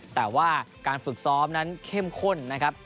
แต่ว่าการฝึกซ้อมนั้นเข้มข้นนะครับ